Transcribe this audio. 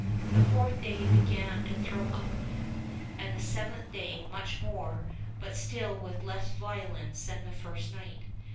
The fourth day it began to throw up again, and the seventh day much more, but still with less violence than the first night.